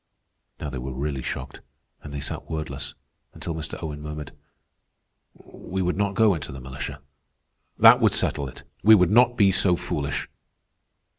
Now they were really shocked, and they sat wordless, until Mr. Owen murmured: "We would not go into the militia. That would settle it. We would not be so foolish."